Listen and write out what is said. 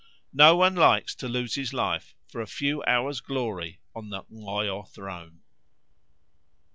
"No one likes to lose his life for a few hours' glory on the Ngoio throne."